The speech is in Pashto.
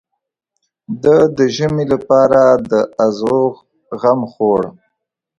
ده د ژمي لپاره د ازوغ غم خوړ.